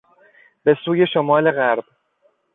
به سوی شمال غرب